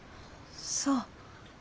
そう。